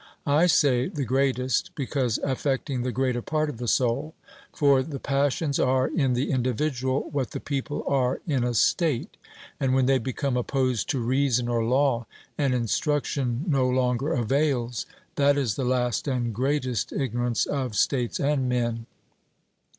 I say the greatest, because affecting the greater part of the soul; for the passions are in the individual what the people are in a state. And when they become opposed to reason or law, and instruction no longer avails that is the last and greatest ignorance of states and men.